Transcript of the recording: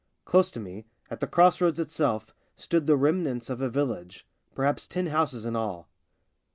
Close to me, at the cross roads itself, stood the remnants of a village — perhaps ten houses in all.